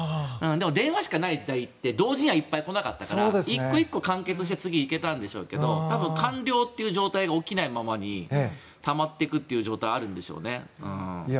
でも、電話しかない時代って同時にはいっぱい来なかったから１個１個完結して次に行けたんでしょうけど多分、完了という状態が起きないままにたまっていくっていう状態があるんでしょうね。